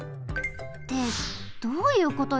ってどういうことよ？